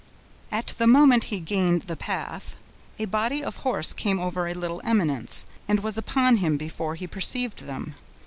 At the moment he gained the path, a body of horse came over a little eminence, and was upon him before he perceived them.